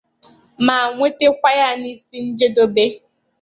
ma wetakwa ya n'isi njedobe.